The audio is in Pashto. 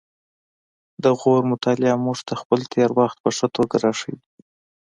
د غور مطالعه موږ ته خپل تیر وخت په ښه توګه راښيي